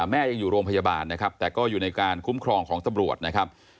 แม่ยังอยู่โรงพยาบาลนะครับแต่ก็อยู่ในการคุ้มครองของตำรวจนะครับ